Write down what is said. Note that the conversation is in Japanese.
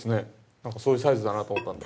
なんか、そういうサイズだなと思ったんで。